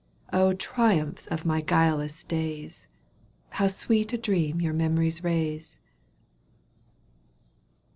triumphs of my guileless days, How sweet a dream your memories raise